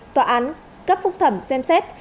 tòa án cấp phúc thẩm xem xét